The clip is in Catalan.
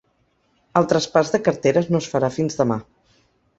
El traspàs de carteres no es farà fins demà.